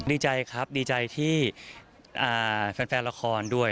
ดีใจครับดีใจที่แฟนละครด้วย